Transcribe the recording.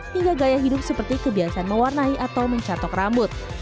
hingga gaya hidup seperti kebiasaan mewarnai atau mencatok rambut